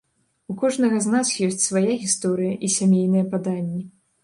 У кожнага з нас ёсць свая гісторыя і сямейныя паданні.